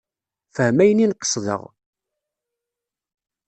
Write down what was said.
Fhem ayen i n-qesdeɣ.